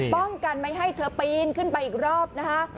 ป้องกันไม่ให้เธอปีนขึ้นไปอีกรอบนะคะ